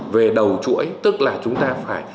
về đầu chuỗi tức là chúng ta phải